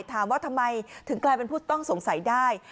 ถามว่าทำไมถึงกลายเป็นผู้ต้องสงสัยได้